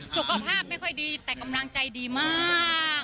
สุขภาพไม่ค่อยดีแต่กำลังใจดีมาก